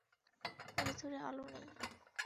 ভেতরে আলো নেই।